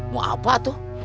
mau apa tuh